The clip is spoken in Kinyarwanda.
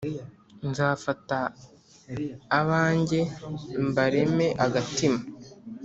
Nzafata abanjye mbareme agatima